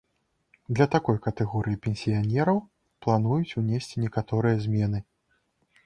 Для такой катэгорыі пенсіянераў плануюць унесці некаторыя змены.